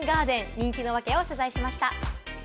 人気のワケを取材しました。